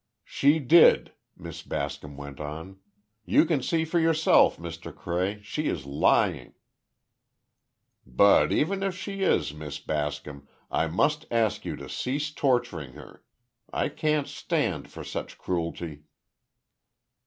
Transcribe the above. "She did," Miss Bascom went on. "You can see for yourself, Mr. Cray, she is lying." "But even if she is, Miss Bascom, I must ask you to cease torturing her! I can't stand for such cruelty!"